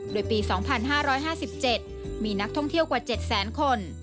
โดยปี๒๕๕๗มีนักท่องเที่ยวกว่า๗แสนคน